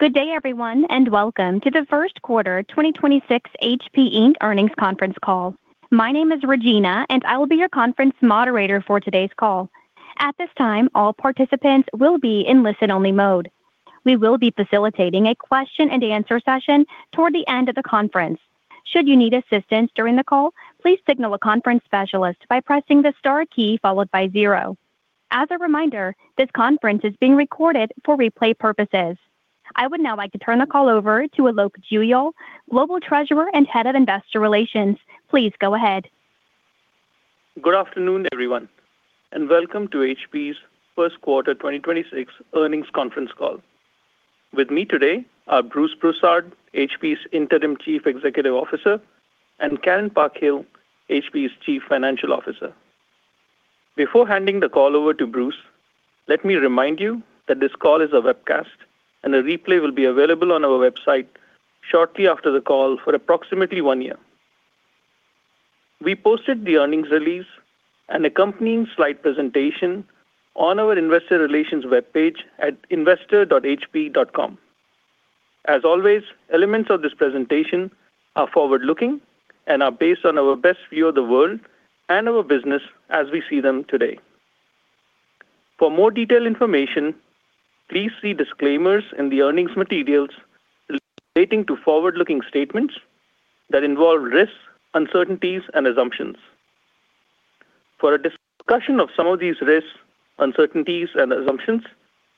Good day, everyone, and welcome to the First Quarter 2026 HP Inc. Earnings Conference Call. My name is Regina, and I will be your conference moderator for today's call. At this time, all participants will be in listen-only mode. We will be facilitating a question and answer session toward the end of the conference. Should you need assistance during the call, please signal a conference specialist by pressing the star key followed by zero. As a reminder, this conference is being recorded for replay purposes. I would now like to turn the call over to Alok Juyal, Global Treasurer and Head of Investor Relations. Please go ahead. Good afternoon, everyone. Welcome to HP's first quarter 2026 earnings conference call. With me today are Bruce Broussard, HP's Interim Chief Executive Officer, and Karen Parkhill, HP's Chief Financial Officer. Before handing the call over to Bruce, let me remind you that this call is a webcast. A replay will be available on our website shortly after the call for approximately one year. We posted the earnings release and accompanying slide presentation on our investor relations webpage at investor.hp.com. As always, elements of this presentation are forward-looking and are based on our best view of the world and our business as we see them today. For more detailed information, please see disclaimers in the earnings materials relating to forward-looking statements that involve risks, uncertainties, and assumptions. For a discussion of some of these risks, uncertainties and assumptions,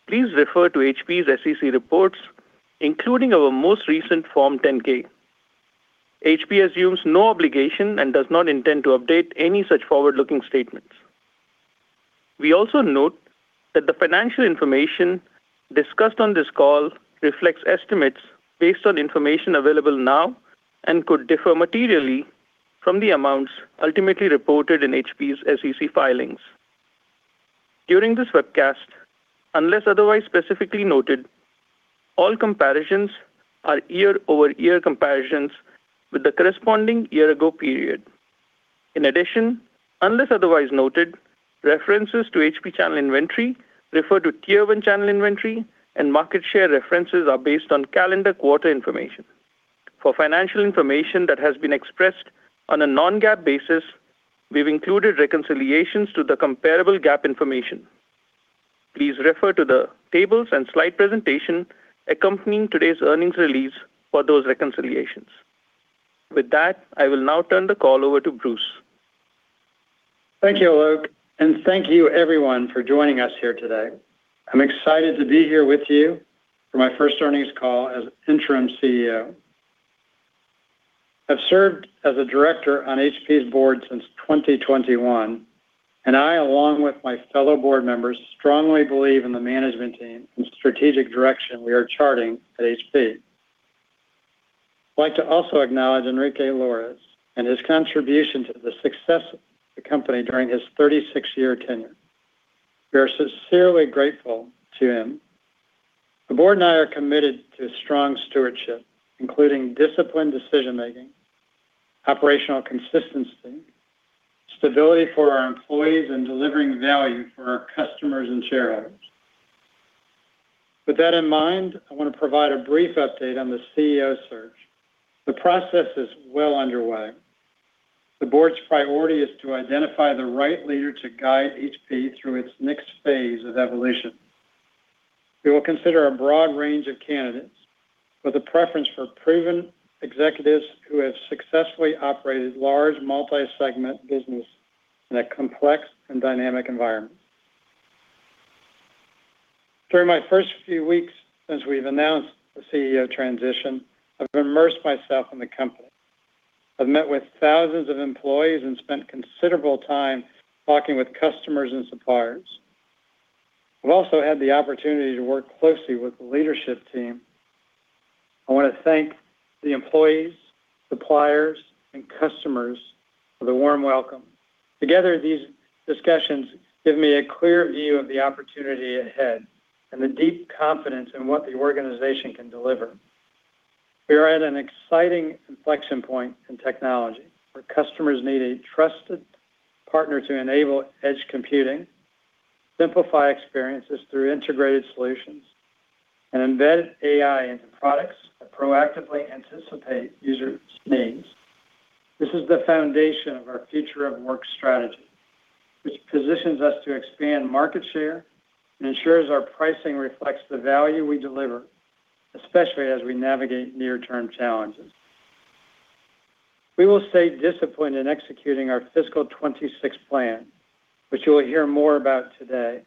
please refer to HP's SEC reports, including our most recent Form 10-K. HP assumes no obligation and does not intend to update any such forward-looking statements. We also note that the financial information discussed on this call reflects estimates based on information available now and could differ materially from the amounts ultimately reported in HP's SEC filings. During this webcast, unless otherwise specifically noted, all comparisons are year-over-year comparisons with the corresponding year ago period. In addition, unless otherwise noted, references to HP channel inventory refer to tier one channel inventory, and market share references are based on calendar quarter information. For financial information that has been expressed on a non-GAAP basis, we've included reconciliations to the comparable GAAP information. Please refer to the tables and slide presentation accompanying today's earnings release for those reconciliations. With that, I will now turn the call over to Bruce. Thank you, Alok, and thank you everyone for joining us here today. I'm excited to be here with you for my first earnings call as interim CEO. I've served as a director on HP's board since 2021, and I, along with my fellow board members, strongly believe in the management team and strategic direction we are charting at HP. I'd like to also acknowledge Enrique Lores and his contribution to the success of the company during his 36-year tenure. We are sincerely grateful to him. The board and I are committed to strong stewardship, including disciplined decision-making, operational consistency, stability for our employees, and delivering value for our customers and shareholders. With that in mind, I want to provide a brief update on the CEO search. The process is well underway. The board's priority is to identify the right leader to guide HP through its next phase of evolution. We will consider a broad range of candidates, with a preference for proven executives who have successfully operated large, multi-segment business in a complex and dynamic environment. During my first few weeks since we've announced the CEO transition, I've immersed myself in the company. I've met with thousands of employees and spent considerable time talking with customers and suppliers. I've also had the opportunity to work closely with the leadership team. I want to thank the employees, suppliers, and customers for the warm welcome. Together, these discussions give me a clear view of the opportunity ahead and the deep confidence in what the organization can deliver. We are at an exciting inflection point in technology, where customers need a trusted partner to enable edge computing, simplify experiences through integrated solutions, and embed AI into products that proactively anticipate users' needs. This is the foundation of our future of work strategy, which positions us to expand market share and ensures our pricing reflects the value we deliver, especially as we navigate near-term challenges. We will stay disciplined in executing our fiscal 2026 plan, which you will hear more about today,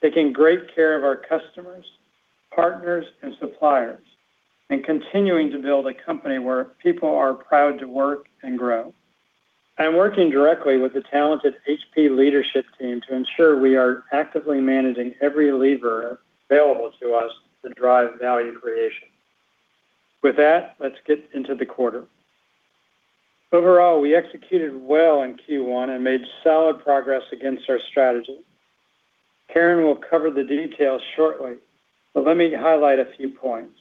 taking great care of our customers, partners, and suppliers, and continuing to build a company where people are proud to work and grow. I'm working directly with the talented HP leadership team to ensure we are actively managing every lever available to us to drive value creation. With that, let's get into the quarter. Overall, we executed well in Q1 and made solid progress against our strategy. Karen will cover the details shortly, but let me highlight a few points.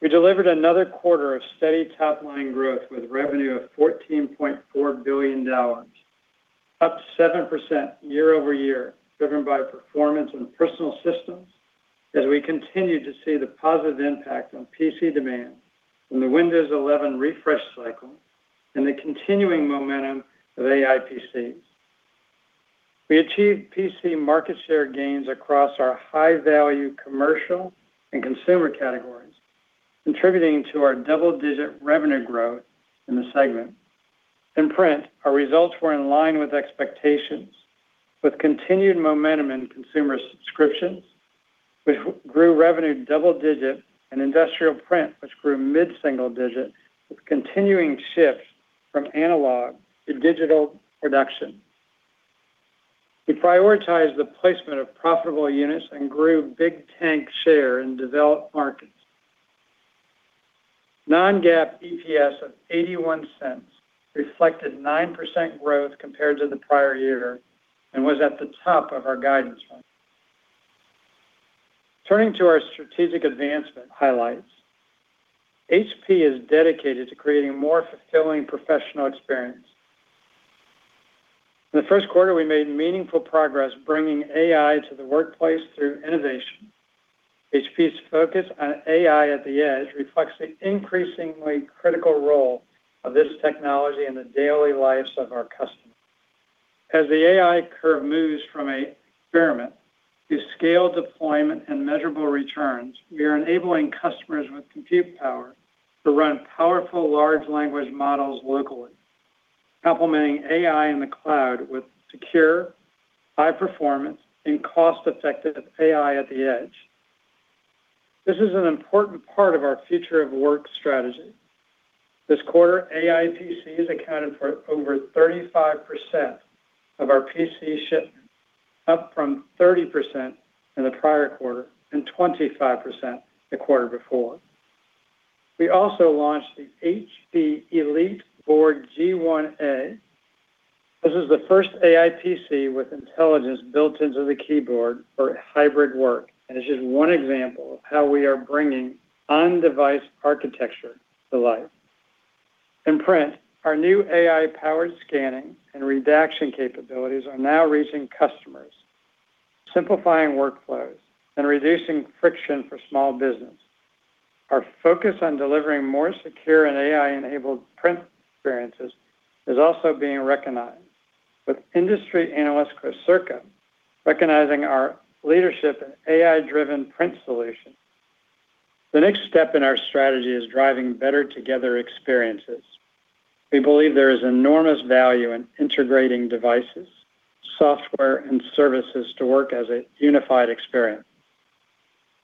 We delivered another quarter of steady top-line growth with revenue of $14.4 billion, up 7% year-over-year, driven by performance and Personal Systems as we continue to see the positive impact on PC demand from the Windows 11 refresh cycle and the continuing momentum of AI PCs. We achieved PC market share gains across our high-value commercial and consumer categories, contributing to our double-digit revenue growth in the segment. In print, our results were in line with expectations, with continued momentum in consumer subscriptions, which grew revenue double-digit, and industrial print, which grew mid-single-digit, with continuing shifts from analog to digital production. We prioritized the placement of profitable units and grew Big Tank share in developed markets. non-GAAP EPS of $0.81 reflected 9% growth compared to the prior year and was at the top of our guidance range. Turning to our strategic advancement highlights, HP is dedicated to creating a more fulfilling professional experience. In the first quarter, we made meaningful progress bringing AI to the workplace through innovation. HP's focus on AI at the Edge reflects the increasingly critical role of this technology in the daily lives of our customers. As the AI curve moves from an experiment to scale deployment and measurable returns, we are enabling customers with compute power to run powerful large language models locally, complementing AI in the cloud with secure, high performance, and cost-effective AI at the edge. This is an important part of our future of work strategy. This quarter, AI PCs accounted for over 35% of our PC shipments, up from 30% in the prior quarter and 25% the quarter before. We also launched the HP EliteBook G1a. This is the first AI PC with intelligence built into the keyboard for hybrid work. It's just one example of how we are bringing on-device architecture to life. In print, our new AI-powered scanning and redaction capabilities are now reaching customers, simplifying workflows and reducing friction for small business. Our focus on delivering more secure and AI-enabled print experiences is also being recognized, with industry analyst Quocirca recognizing our leadership in AI-driven print solutions. The next step in our strategy is driving better together experiences. We believe there is enormous value in integrating devices, software, and services to work as a unified experience.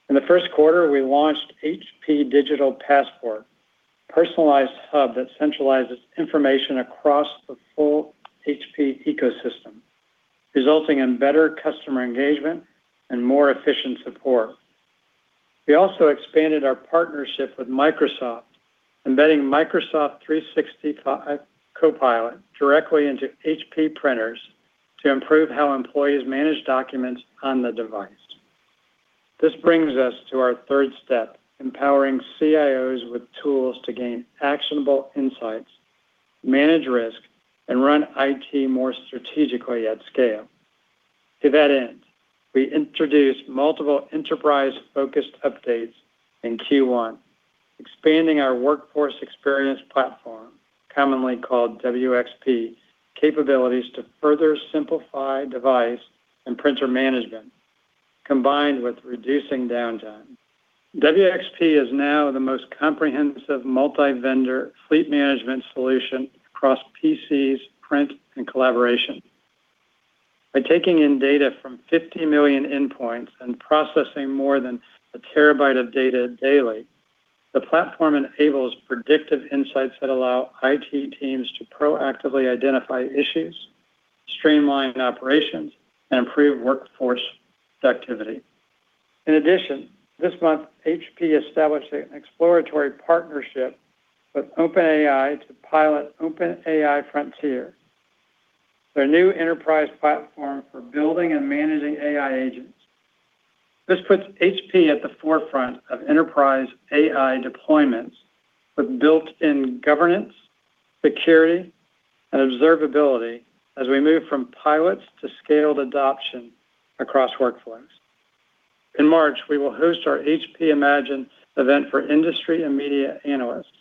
In the first quarter, we launched HP Digital Passport, a personalized hub that centralizes information across the full HP ecosystem, resulting in better customer engagement and more efficient support. We also expanded our partnership with Microsoft, embedding Microsoft 365 Copilot directly into HP printers to improve how employees manage documents on the device. This brings us to our third step, empowering CIOs with tools to gain actionable insights, manage risk, and run IT more strategically at scale. To that end, we introduced multiple enterprise-focused updates in Q1, expanding our Workforce Experience Platform, commonly called WXP, capabilities to further simplify device and printer management, combined with reducing downtime. WXP is now the most comprehensive multi-vendor fleet management solution across PCs, print, and collaboration. By taking in data from 50 million endpoints and processing more than 1 TB of data daily, the platform enables predictive insights that allow IT teams to proactively identify issues, streamline operations, and improve workforce productivity. This month, HP established an exploratory partnership with OpenAI to pilot OpenAI Frontier, their new enterprise platform for building and managing AI agents. This puts HP at the forefront of enterprise AI deployments with built-in governance, security, and observability as we move from pilots to scaled adoption across workflows. In March, we will host our HP Imagine event for industry and media analysts.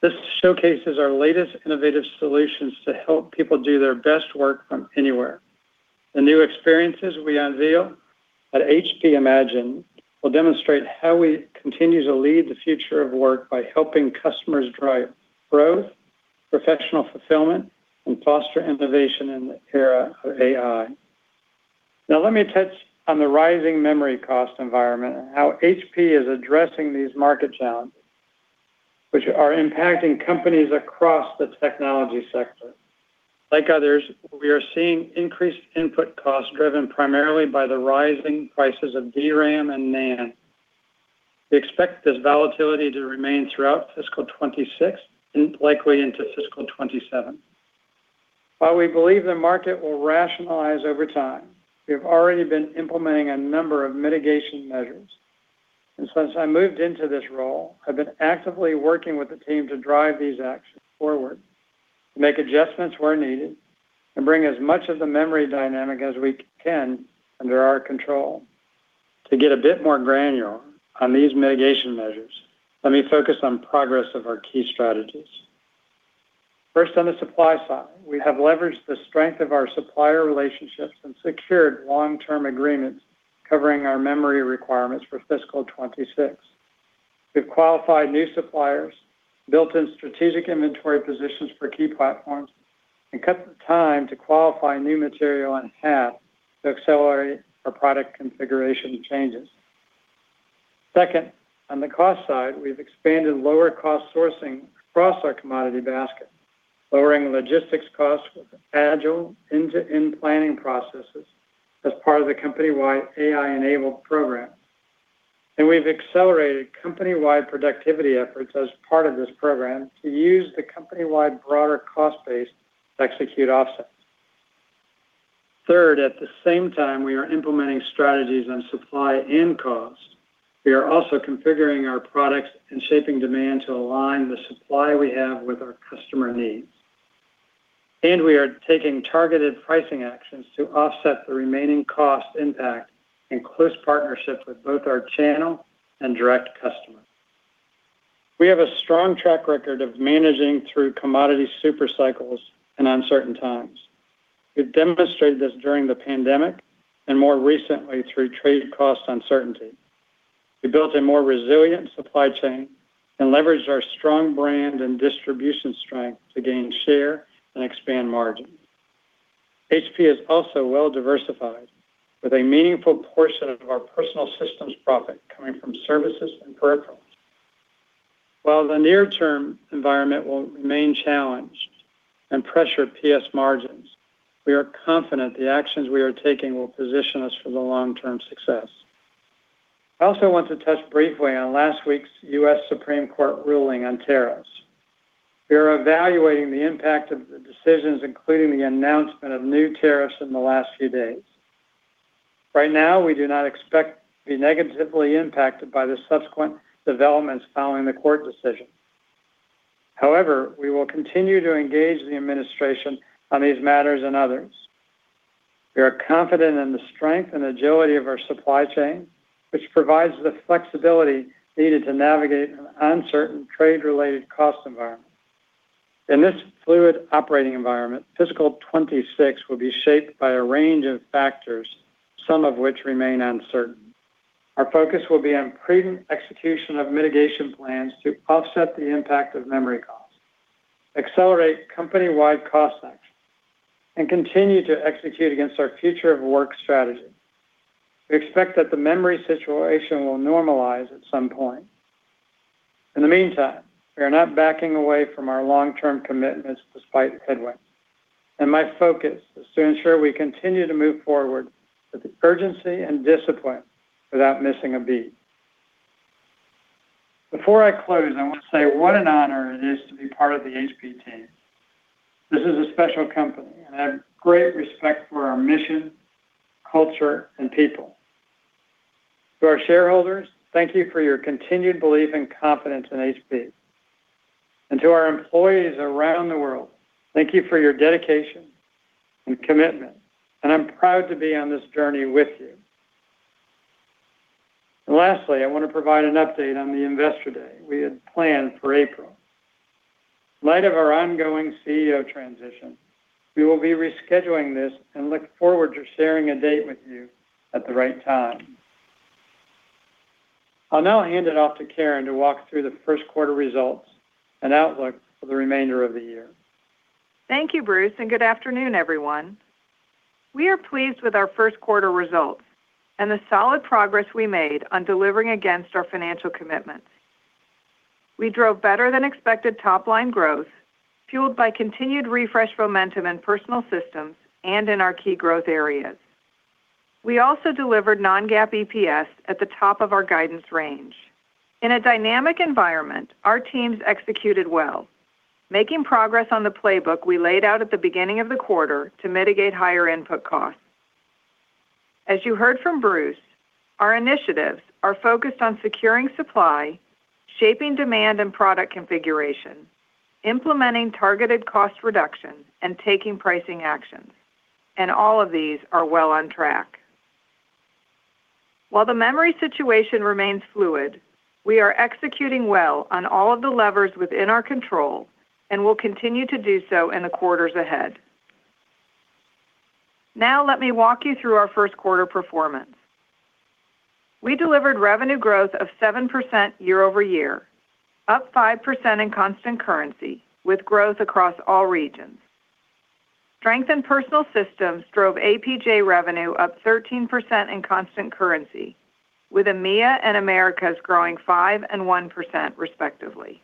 This showcases our latest innovative solutions to help people do their best work from anywhere. The new experiences we unveil at HP Imagine will demonstrate how we continue to lead the future of work by helping customers drive growth, professional fulfillment, and foster innovation in the era of AI. Let me touch on the rising memory cost environment and how HP is addressing these market challenges, which are impacting companies across the technology sector. Like others, we are seeing increased input costs, driven primarily by the rising prices of DRAM and NAND. We expect this volatility to remain throughout fiscal 2026 and likely into fiscal 2027. While we believe the market will rationalize over time, we have already been implementing a number of mitigation measures. Since I moved into this role, I've been actively working with the team to drive these actions forward, to make adjustments where needed, and bring as much of the memory dynamic as we can under our control. To get a bit more granular on these mitigation measures, let me focus on progress of our key strategies. First, on the supply side, we have leveraged the strength of our supplier relationships and secured Long-Term Agreements covering our memory requirements for fiscal 2026. We've qualified new suppliers, built in strategic inventory positions for key platforms, and cut the time to qualify new material in half to accelerate our product configuration changes. Second, on the cost side, we've expanded lower cost sourcing across our commodity basket, lowering logistics costs with agile end-to-end planning processes as part of the company-wide AI-enabled program. We've accelerated company-wide productivity efforts as part of this program to use the company-wide broader cost base to execute offsets. Third, at the same time, we are implementing strategies on supply and cost. We are also configuring our products and shaping demand to align the supply we have with our customer needs. We are taking targeted pricing actions to offset the remaining cost impact in close partnership with both our channel and direct customers. We have a strong track record of managing through commodity super cycles in uncertain times. We've demonstrated this during the pandemic and more recently through trade cost uncertainty. We built a more resilient supply chain and leveraged our strong brand and distribution strength to gain share and expand margin. HP is also well-diversified, with a meaningful portion of our personal systems profit coming from services and peripherals. While the near-term environment will remain challenged and pressure PS margins, we are confident the actions we are taking will position us for the long-term success. I also want to touch briefly on last week's US Supreme Court ruling on tariffs. We are evaluating the impact of the decisions, including the announcement of new tariffs in the last few days. Right now, we do not expect to be negatively impacted by the subsequent developments following the court decision. However, we will continue to engage the administration on these matters and others. We are confident in the strength and agility of our supply chain, which provides the flexibility needed to navigate an uncertain trade-related cost environment. In this fluid operating environment, fiscal 2026 will be shaped by a range of factors, some of which remain uncertain. Our focus will be on prudent execution of mitigation plans to offset the impact of memory costs, accelerate company-wide cost action, and continue to execute against our future of work strategy. We expect that the memory situation will normalize at some point. In the meantime, we are not backing away from our long-term commitments despite the headwinds, and my focus is to ensure we continue to move forward with urgency and discipline without missing a beat. Before I close, I want to say what an honor it is to be part of the HP team. This is a special company, and I have great respect for our mission, culture, and people. To our shareholders, thank you for your continued belief and confidence in HP. To our employees around the world, thank you for your dedication and commitment, and I'm proud to be on this journey with you. Lastly, I want to provide an update on the Investor Day we had planned for April. In light of our ongoing CEO transition, we will be rescheduling this and look forward to sharing a date with you at the right time. I'll now hand it off to Karen to walk through the first quarter results and outlook for the remainder of the year. Thank you, Bruce. Good afternoon, everyone. We are pleased with our first quarter results and the solid progress we made on delivering against our financial commitments. We drove better-than-expected top-line growth, fueled by continued refresh momentum in Personal Systems and in our key growth areas. We also delivered non-GAAP EPS at the top of our guidance range. In a dynamic environment, our teams executed well, making progress on the playbook we laid out at the beginning of the quarter to mitigate higher input costs. As you heard from Bruce, our initiatives are focused on securing supply, shaping demand and product configuration, implementing targeted cost reductions, and taking pricing actions, and all of these are well on track. While the memory situation remains fluid, we are executing well on all of the levers within our control and will continue to do so in the quarters ahead. Let me walk you through our first quarter performance. We delivered revenue growth of 7% year-over-year, up 5% in constant currency, with growth across all regions. Strength in Personal Systems drove APJ revenue up 13% in constant currency, with EMEA and Americas growing 5% and 1%, respectively.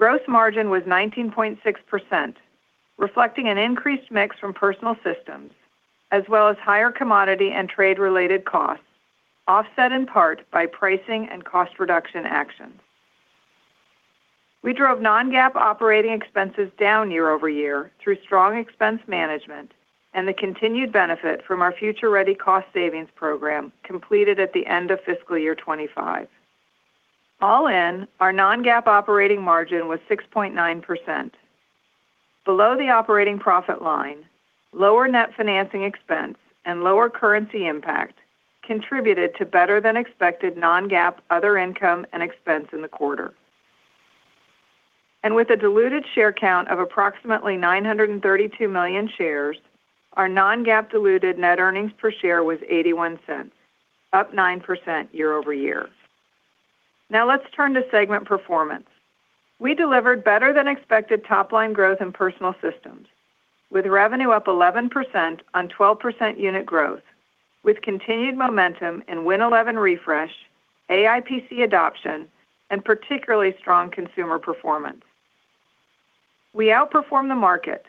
Gross margin was 19.6%, reflecting an increased mix from Personal Systems, as well as higher commodity and trade-related costs offset in part by pricing and cost reduction actions. We drove non-GAAP operating expenses down year-over-year through strong expense management and the continued benefit from our Future Ready cost savings program, completed at the end of fiscal year 2025. All in, our non-GAAP operating margin was 6.9%. Below the operating profit line, lower net financing expense and lower currency impact contributed to better than expected non-GAAP other income and expense in the quarter. With a diluted share count of approximately 932 million shares, our non-GAAP diluted net earnings per share was $0.81, up 9% year-over-year. Now let's turn to segment performance. We delivered better than expected top-line growth in Personal Systems, with revenue up 11% on 12% unit growth, with continued momentum in Win 11 refresh, AI PC adoption, and particularly strong consumer performance. We outperformed the market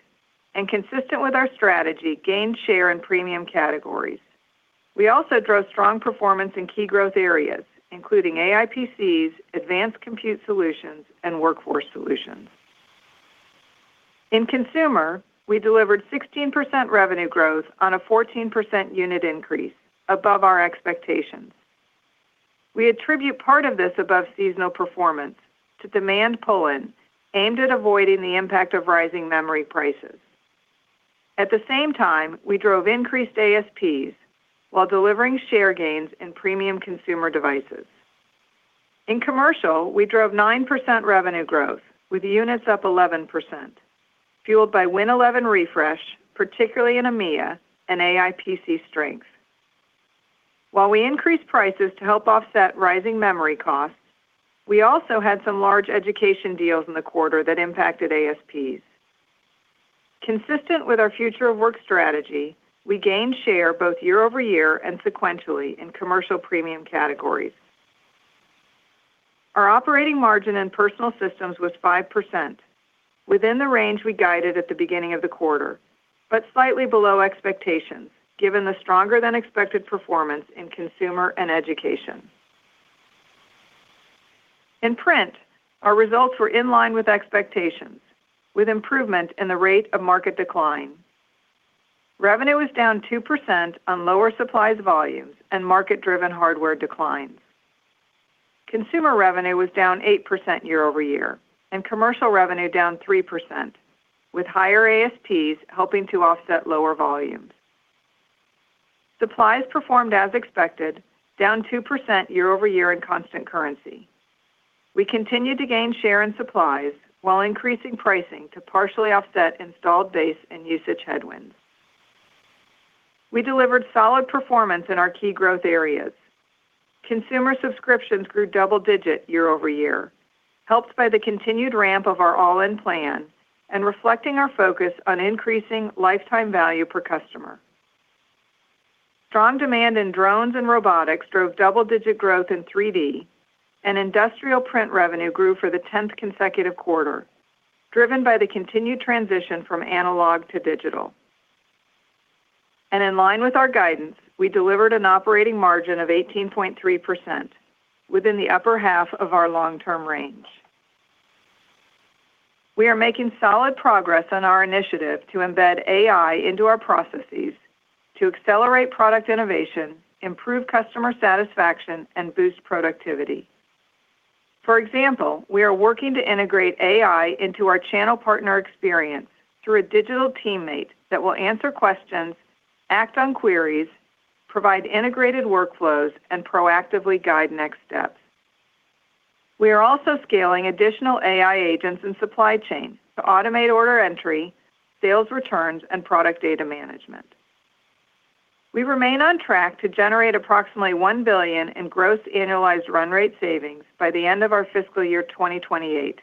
and consistent with our strategy, gained share in premium categories. We also drove strong performance in key growth areas, including AI PCs, advanced compute solutions, and workforce solutions. In consumer, we delivered 16% revenue growth on a 14% unit increase above our expectations. We attribute part of this above seasonal performance to demand pull-in, aimed at avoiding the impact of rising memory prices. At the same time, we drove increased ASPs while delivering share gains in premium consumer devices. In commercial, we drove 9% revenue growth, with units up 11%, fueled by Win 11 refresh, particularly in EMEA and AI PC strength. While we increased prices to help offset rising memory costs, we also had some large education deals in the quarter that impacted ASPs. Consistent with our future of work strategy, we gained share both year-over-year and sequentially in commercial premium categories. Our operating margin in personal systems was 5%, within the range we guided at the beginning of the quarter, but slightly below expectations, given the stronger than expected performance in consumer and education. In print, our results were in line with expectations, with improvement in the rate of market decline. Revenue was down 2% on lower supplies volumes and market-driven hardware declines. Consumer revenue was down 8% year-over-year, and commercial revenue down 3%, with higher ASPs helping to offset lower volumes. Supplies performed as expected, down 2% year-over-year in constant currency. We continued to gain share in supplies while increasing pricing to partially offset installed base and usage headwinds. We delivered solid performance in our key growth areas. Consumer subscriptions grew double-digit year-over-year, helped by the continued ramp of our All-In Plan and reflecting our focus on increasing lifetime value per customer. Strong demand in drones and robotics drove double-digit growth in 3D, and industrial print revenue grew for the 10th consecutive quarter, driven by the continued transition from analog to digital. In line with our guidance, we delivered an operating margin of 18.3% within the upper half of our long-term range. We are making solid progress on our initiative to embed AI into our processes to accelerate product innovation, improve customer satisfaction, and boost productivity. For example, we are working to integrate AI into our channel partner experience through a digital teammate that will answer questions, act on queries, provide integrated workflows, and proactively guide next steps. We are also scaling additional AI agents and supply chain to automate order entry, sales returns, and product data management. We remain on track to generate approximately $1 billion in gross annualized run rate savings by the end of our fiscal year 2028,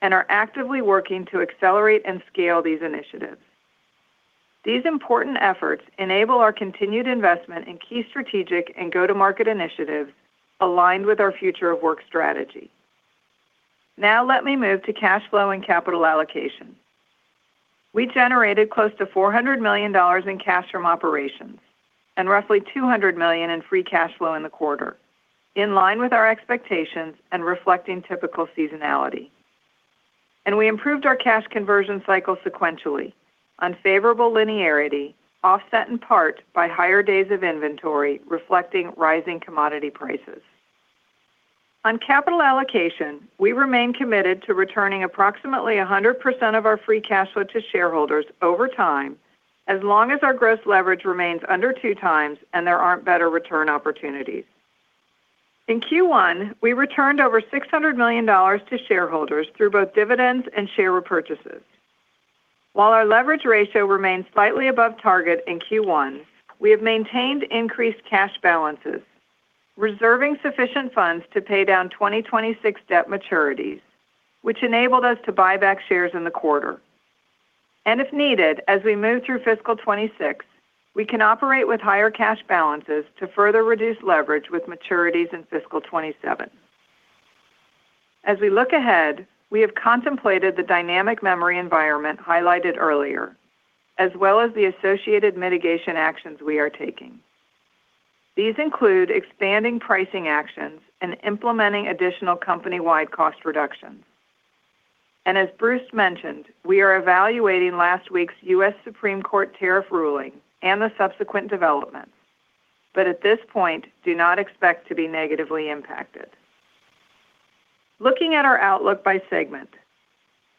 and are actively working to accelerate and scale these initiatives. These important efforts enable our continued investment in key strategic and go-to-market initiatives aligned with our future of work strategy. Now let me move to cash flow and capital allocation. We generated close to $400 million in cash from operations and roughly $200 million in free cash flow in the quarter, in line with our expectations and reflecting typical seasonality. We improved our cash conversion cycle sequentially. Unfavorable linearity, offset in part by higher days of inventory, reflecting rising commodity prices. On capital allocation, we remain committed to returning approximately 100% of our free cash flow to shareholders over time, as long as our gross leverage remains under 2x and there aren't better return opportunities. In Q1, we returned over $600 million to shareholders through both dividends and share repurchases. While our leverage ratio remains slightly above target in Q1, we have maintained increased cash balances, reserving sufficient funds to pay down 2026 debt maturities, which enabled us to buy back shares in the quarter. If needed, as we move through fiscal 2026, we can operate with higher cash balances to further reduce leverage with maturities in fiscal 2027. We look ahead, we have contemplated the dynamic memory environment highlighted earlier as well as the associated mitigation actions we are taking. These include expanding pricing actions and implementing additional company-wide cost reductions. As Bruce mentioned, we are evaluating last week's U.S. Supreme Court tariff ruling and the subsequent developments, but at this point, do not expect to be negatively impacted. Looking at our outlook by segment.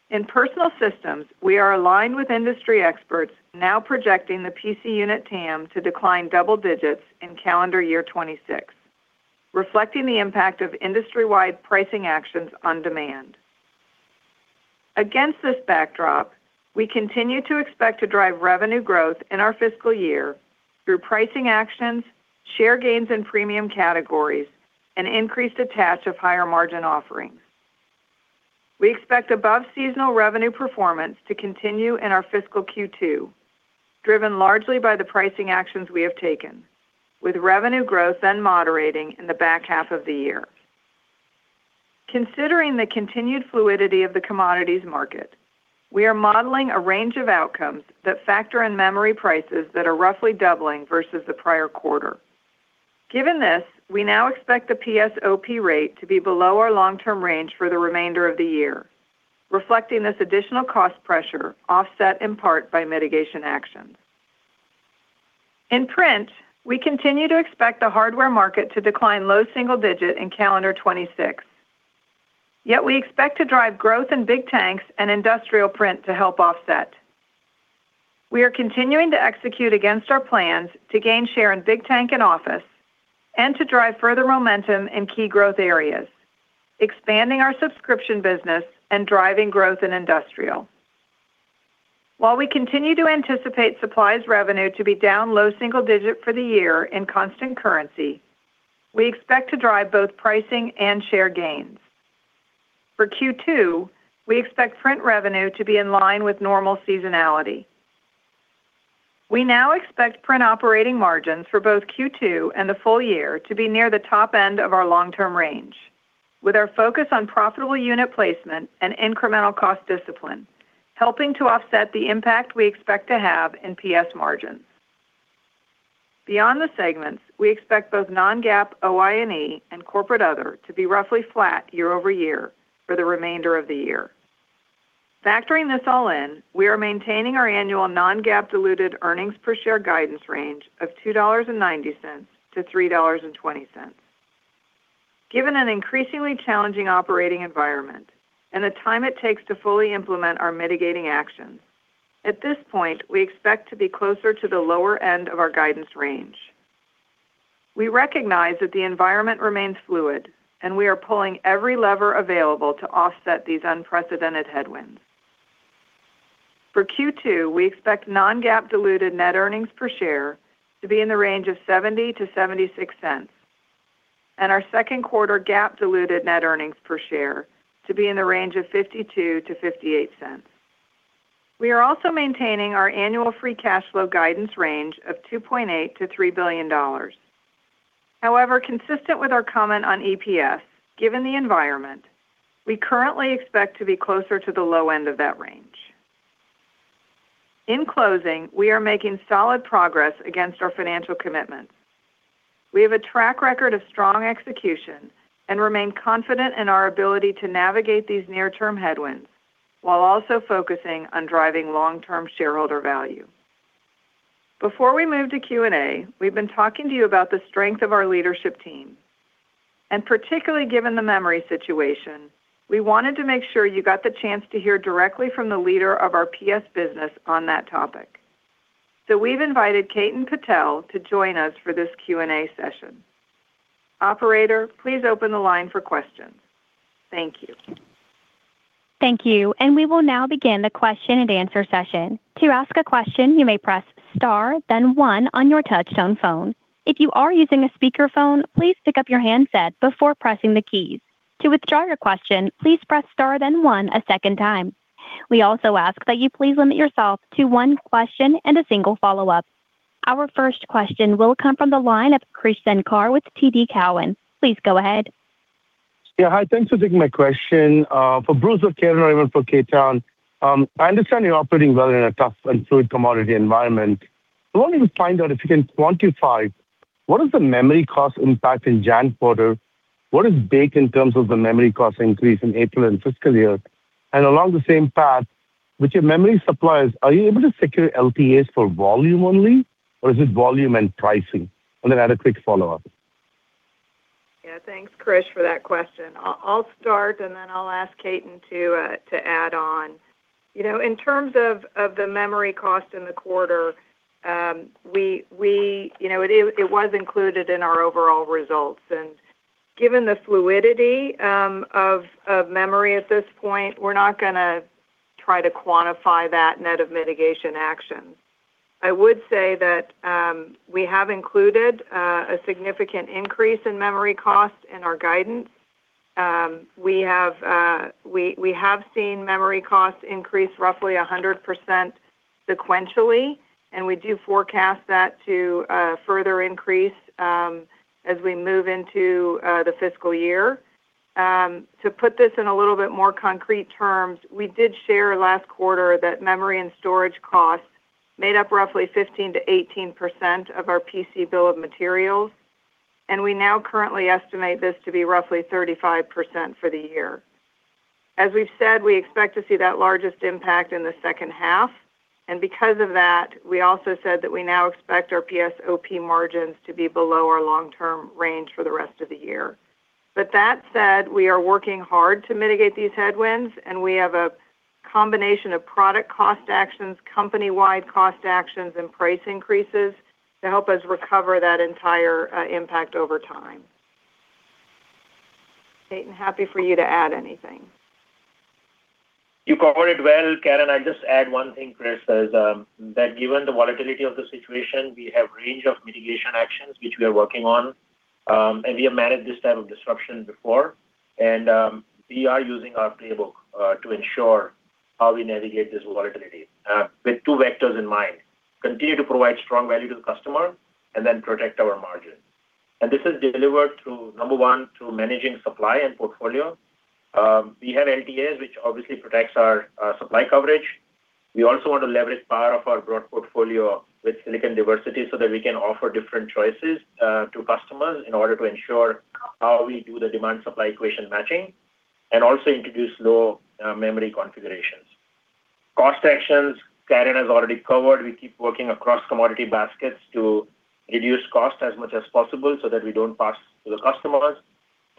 In Personal Systems, we are aligned with industry experts now projecting the PC unit TAM to decline double digits in calendar year 2026, reflecting the impact of industry-wide pricing actions on demand. Against this backdrop, we continue to expect to drive revenue growth in our fiscal year through pricing actions, share gains in premium categories, and increased attach of higher-margin offerings. We expect above-seasonal revenue performance to continue in our fiscal Q2, driven largely by the pricing actions we have taken, with revenue growth then moderating in the back half of the year. Considering the continued fluidity of the commodities market, we are modeling a range of outcomes that factor in memory prices that are roughly doubling versus the prior quarter. Given this, we now expect the PS OP rate to be below our long-term range for the remainder of the year, reflecting this additional cost pressure, offset in part by mitigation actions. In print, we continue to expect the hardware market to decline low single digit in calendar 2026. We expect to drive growth in Big Tank and industrial print to help offset. We are continuing to execute against our plans to gain share in Big Tank and office and to drive further momentum in key growth areas, expanding our subscription business and driving growth in industrial. While we continue to anticipate supplies revenue to be down low single-digit for the year in constant currency, we expect to drive both pricing and share gains. For Q2, we expect print revenue to be in line with normal seasonality. We now expect print operating margins for both Q2 and the full year to be near the top end of our long-term range, with our focus on profitable unit placement and incremental cost discipline, helping to offset the impact we expect to have in PS margins. Beyond the segments, we expect both non-GAAP OI&E and corporate other to be roughly flat year-over-year for the remainder of the year. Factoring this all in, we are maintaining our annual non-GAAP diluted earnings per share guidance range of $2.90-$3.20. Given an increasingly challenging operating environment and the time it takes to fully implement our mitigating actions, at this point, we expect to be closer to the lower end of our guidance range. We recognize that the environment remains fluid, and we are pulling every lever available to offset these unprecedented headwinds. For Q2, we expect non-GAAP diluted net earnings per share to be in the range of $0.70-$0.76, and our second quarter GAAP diluted net earnings per share to be in the range of $0.52-$0.58. We are also maintaining our annual free cash flow guidance range of $2.8 billion-$3 billion. Consistent with our comment on EPS, given the environment, we currently expect to be closer to the low end of that range. In closing, we are making solid progress against our financial commitments. We have a track record of strong execution and remain confident in our ability to navigate these near-term headwinds while also focusing on driving long-term shareholder value. Before we move to Q&A, we've been talking to you about the strength of our leadership team, and particularly given the memory situation, we wanted to make sure you got the chance to hear directly from the leader of our PS business on that topic. We've invited Ketan Patel to join us for this Q&A session. Operator, please open the line for questions. Thank you. Thank you. We will now begin the question and answer session. To ask a question, you may press Star, then one on your touchtone phone. If you are using a speakerphone, please pick up your handset before pressing the keys. To withdraw your question, please press Star, then one a second time. We also ask that you please limit yourself to one question and a single follow-up. Our first question will come from the line of Krish Sankar with TD Cowen. Please go ahead. Yeah, hi. Thanks for taking my question. For Bruce or Ketan, or even for Ketan, I understand you're operating well in a tough and fluid commodity environment. I wanted to find out if you can quantify what is the memory cost impact in Jan quarter, what is baked in terms of the memory cost increase in April and fiscal year? Along the same path, with your memory suppliers, are you able to secure LTAs for volume only, or is it volume and pricing? Then I had a quick follow-up. Yeah, thanks, Krish, for that question. I'll start, and then I'll ask Ketan to add on. You know, in terms of the memory cost in the quarter, You know, it was included in our overall results. Given the fluidity of memory at this point, we're not gonna try to quantify that net of mitigation actions. I would say that we have included a significant increase in memory cost in our guidance. We have seen memory costs increase roughly 100% sequentially, and we do forecast that to further increase as we move into the fiscal year. To put this in a little bit more concrete terms, we did share last quarter that memory and storage costs made up roughly 15%-18% of our PC bill of materials. We now currently estimate this to be roughly 35% for the year. As we've said, we expect to see that largest impact in the second half. Because of that, we also said that we now expect our PSOP margins to be below our long-term range for the rest of the year. That said, we are working hard to mitigate these headwinds. We have a combination of product cost actions, company-wide cost actions, and price increases to help us recover that entire impact over time. Ketan, happy for you to add anything. You covered it well, Karen. I'll just add one thing, Chris, is that given the volatility of the situation, we have a range of mitigation actions which we are working on, and we have managed this type of disruption before. We are using our playbook to ensure how we navigate this volatility with two vectors in mind: continue to provide strong value to the customer and then protect our margins. This is delivered through, number one, through managing supply and portfolio. We have LTAs, which obviously protects our supply coverage. We also want to leverage power of our broad portfolio with silicon diversity so that we can offer different choices to customers in order to ensure how we do the demand supply equation matching and also introduce low memory configurations. Cost actions, Karen has already covered. We keep working across commodity baskets to reduce costs as much as possible so that we don't pass to the customers.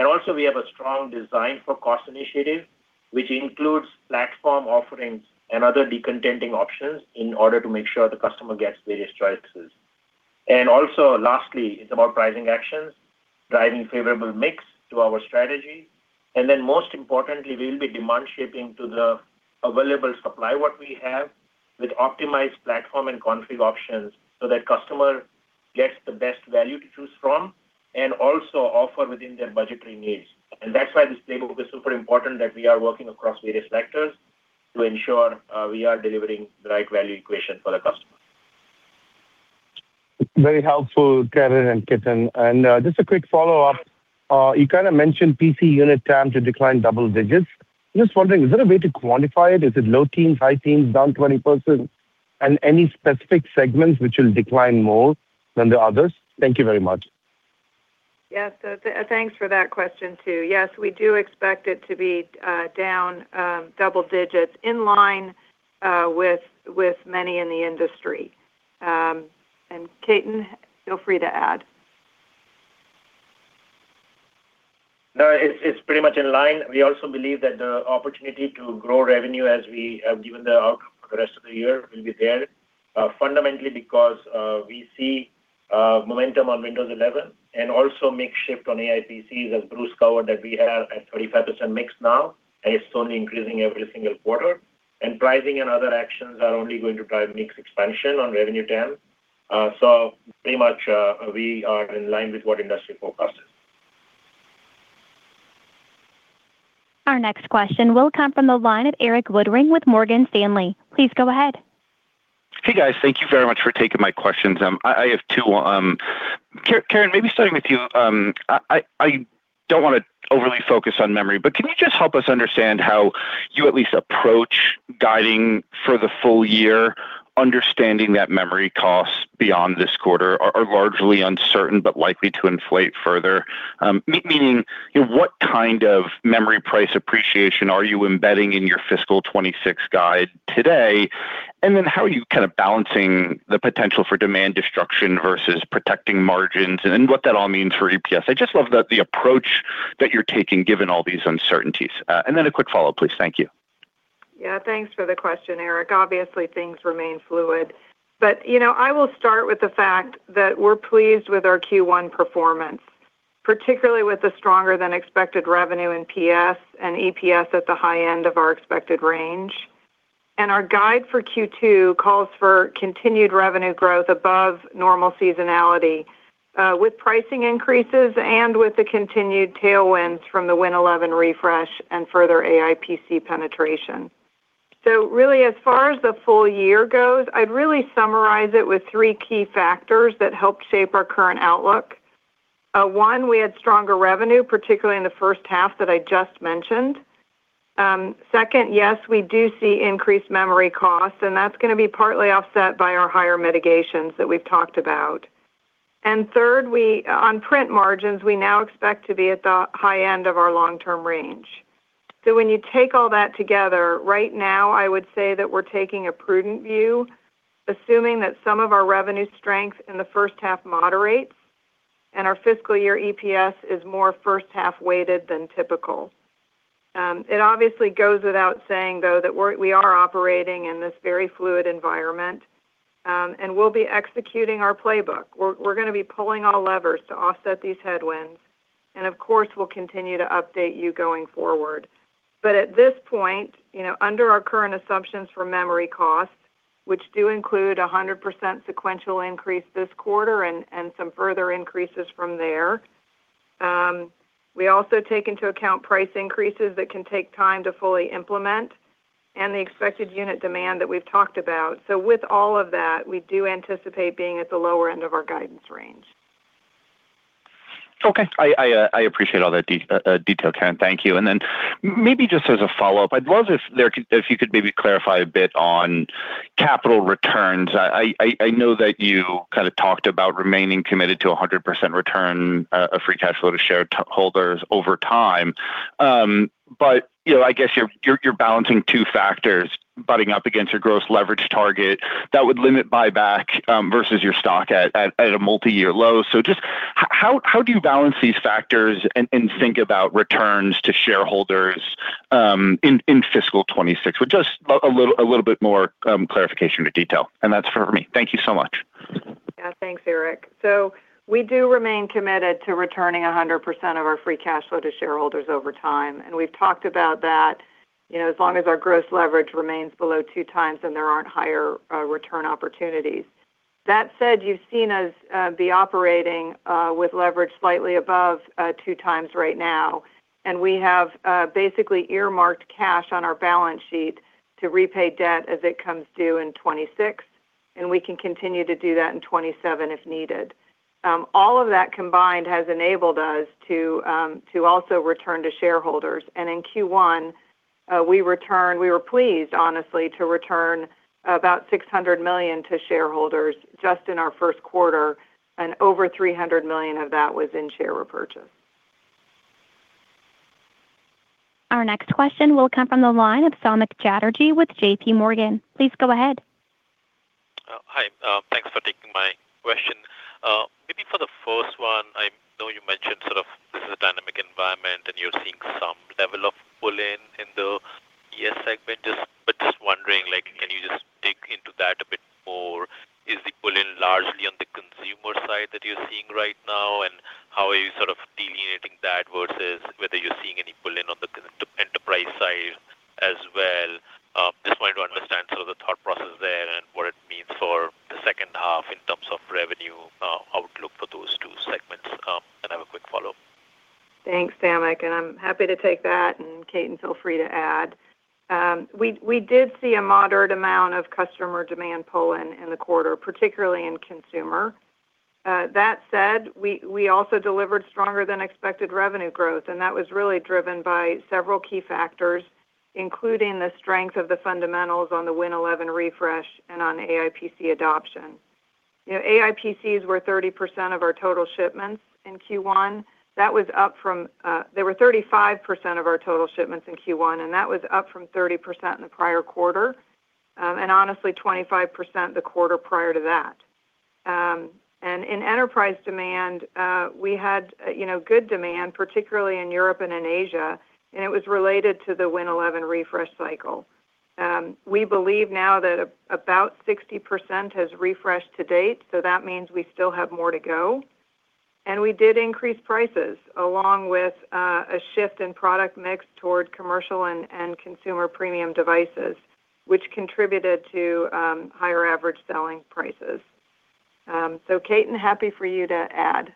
We have a strong design for cost initiative, which includes platform offerings and other decontenting options in order to make sure the customer gets various choices. Lastly, it's about pricing actions, driving favorable mix to our strategy. Most importantly, we'll be demand shaping to the available supply what we have with optimized platform and config options so that customer gets the best value to choose from, and also offer within their budgetary needs. That's why this playbook is super important, that we are working across various vectors to ensure, we are delivering the right value equation for the customer. Very helpful, Karen and Ketan. Just a quick follow-up. You kind of mentioned PC unit TAM to decline double digits. Just wondering, is there a way to quantify it? Is it low teens, high teens, down 20%? Any specific segments which will decline more than the others? Thank you very much. Yes, thanks for that question, too. Yes, we do expect it to be down, double digits, in line with many in the industry. Ketan, feel free to add. No, it's pretty much in line. We also believe that the opportunity to grow revenue as we have given the outcome for the rest of the year will be there, fundamentally because we see momentum on Windows 11 and also makeshift on AI PCs, as Bruce covered, that we have a 35% mix now, and it's only increasing every single quarter. Pricing and other actions are only going to drive mix expansion on revenue TAM. Pretty much, we are in line with what industry forecast is. Our next question will come from the line of Erik Woodring with Morgan Stanley. Please go ahead. Hey, guys. Thank you very much for taking my questions. I have two. Karen, maybe starting with you. I don't want to overly focus on memory, but can you just help us understand how you at least approach guiding for the full year, understanding that memory costs beyond this quarter are largely uncertain but likely to inflate further? meaning, you know, what kind of memory price appreciation are you embedding in your fiscal 2026 guide today? How are you kind of balancing the potential for demand destruction versus protecting margins and what that all means for EPS? I'd just love that the approach that you're taking, given all these uncertainties. A quick follow-up, please. Thank you. Thanks for the question, Erik. Obviously, things remain fluid, but, you know, I will start with the fact that we're pleased with our Q1 performance, particularly with the stronger than expected revenue in PS and EPS at the high end of our expected range. Our guide for Q2 calls for continued revenue growth above normal seasonality, with pricing increases and with the continued tailwinds from the Win 11 refresh and further AI PC penetration. Really, as far as the full year goes, I'd really summarize it with three key factors that helped shape our current outlook. one, we had stronger revenue, particularly in the first half that I just mentioned. second, yes, we do see increased memory costs, and that's going to be partly offset by our higher mitigations that we've talked about. Third, on print margins, we now expect to be at the high end of our long-term range. When you take all that together, right now, I would say that we're taking a prudent view, assuming that some of our revenue strength in the first half moderates and our fiscal year EPS is more first half weighted than typical. It obviously goes without saying, though, that we are operating in this very fluid environment. We'll be executing our playbook. We're going to be pulling all levers to offset these headwinds, and of course, we'll continue to update you going forward. At this point, you know, under our current assumptions for memory costs, which do include a 100% sequential increase this quarter and some further increases from there. We also take into account price increases that can take time to fully implement and the expected unit demand that we've talked about. With all of that, we do anticipate being at the lower end of our guidance range. Okay. I appreciate all that detail, Karen. Thank you. Then maybe just as a follow-up, I'd love if you could maybe clarify a bit on capital returns. I know that you kind of talked about remaining committed to a 100% return of free cash flow to shareholders over time. You know, I guess you're balancing two factors, butting up against your gross leverage target that would limit buyback versus your stock at a multi-year low. Just how do you balance these factors and think about returns to shareholders in fiscal 2026? With just a little bit more clarification to detail, and that's for me. Thank you so much. Yeah. Thanks, Erik. We do remain committed to returning 100% of our free cash flow to shareholders over time, and we've talked about that, you know, as long as our gross leverage remains below 2x and there aren't higher return opportunities. That said, you've seen us be operating with leverage slightly above 2x right now, and we have basically earmarked cash on our balance sheet to repay debt as it comes due in 2026, and we can continue to do that in 2027, if needed. All of that combined has enabled us to also return to shareholders. In Q1, we were pleased, honestly, to return about $600 million to shareholders just in our first quarter, and over $300 million of that was in share repurchase. Our next question will come from the line of Samik Chatterjee with JPMorgan. Please go ahead. Hi. Thanks for taking my question. Maybe for the first one, I know you mentioned sort of this is a dynamic environment, and you're seeing some level of pull-in in the ES segment. Just wondering, like, can you just dig into that a bit more? Is the pull-in largely on the consumer side that you're seeing right now? How are you sort of delineating that versus whether you're seeing any pull-in on the enterprise side as well? Just wanting to understand sort of the thought process there and what it means for the second half in terms of revenue, outlook for those two segments. I have a quick follow-up. Thanks, Samik, and I'm happy to take that, and Ketan, feel free to add. We did see a moderate amount of customer demand pull-in in the quarter, particularly in consumer. That said, we also delivered stronger than expected revenue growth, and that was really driven by several key factors, including the strength of the fundamentals on the Win 11 refresh and on AI PC adoption. You know, AI PCs were 30% of our total shipments in Q1. That was up from, they were 35% of our total shipments in Q1, and that was up from 30% in the prior quarter, and honestly, 25% the quarter prior to that. In enterprise demand, we had, you know, good demand, particularly in Europe and in Asia, and it was related to the Win 11 refresh cycle. We believe now that about 60% has refreshed to date, so that means we still have more to go. We did increase prices, along with a shift in product mix toward commercial and consumer premium devices, which contributed to higher Average Selling Prices. Ketan, happy for you to add.